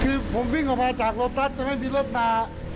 คือผมวิ่งออกมาจากโลตัสจะไม่มีรถมา